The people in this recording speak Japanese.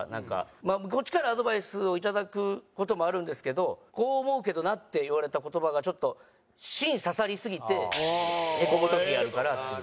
こっちからアドバイスをいただく事もあるんですけど「こう思うけどな」って言われた言葉がちょっと芯刺さりすぎてへこむ時があるからっていう。